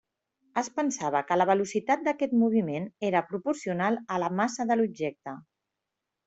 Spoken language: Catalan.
Es pensava que la velocitat d'aquest moviment era proporcional a la massa de l'objecte.